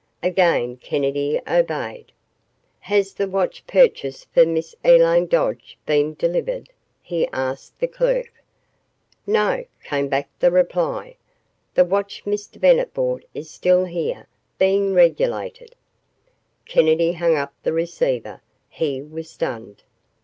Again Kennedy obeyed. "Has the watch purchased for Miss Elaine Dodge been delivered?" he asked the clerk. "No," came back the reply, "the watch Mr. Bennett bought is still here being regulated." Kennedy hung up the receiver. He was stunned.